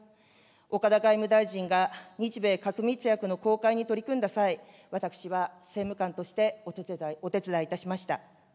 岡田外務大臣が日米核密約の公開に取り組んだ際、私は政務官としてお手伝いいたしました。